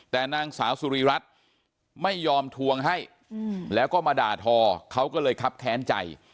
แต่นางสาวสุริรัตน์ไม่ยอมทวงให้แล้วก็มาด่าทอเขาก็เลยคับแค้นใจ